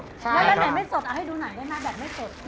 แล้วแบบไม่สดเอาให้ดูหน่อย